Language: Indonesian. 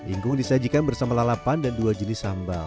ingkung disajikan bersama lalapan dan dua jenis sambal